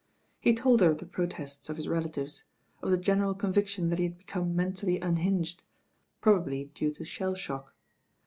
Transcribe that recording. He told her of the protests of his relatives; of the general conviction that he had become men tally unhinged, probably due to shell shock.